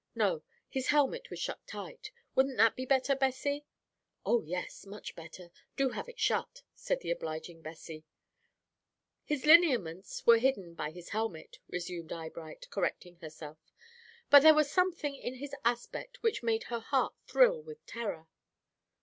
No, his helmet was shut tight. Wouldn't that be better, Bessie?" "Oh yes, much better. Do have it shut," said the obliging Bessie. "His lineaments were hidden by his helmet," resumed Eyebright, correcting herself; "but there was something in his aspect which made her heart thrill with terror.